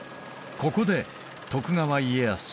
ここで徳川家康